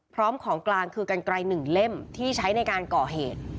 พร้อมของกลางคือกันไกล๑เล่มที่ใช้ในการก่อเหตุ